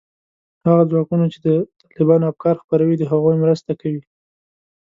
هغه ځواکونو چې د طالبانو افکار خپروي، د هغوی مرسته کوي